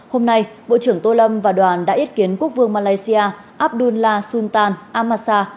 hôm nay bộ trưởng tô lâm và đoàn đã ý kiến quốc vương malaysia abdullah sultan amasa